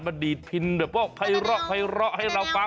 มาดีดพินแบบว่าไฮร่อให้เราฟัง